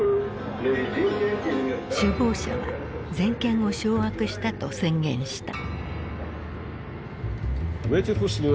首謀者は全権を掌握したと宣言した。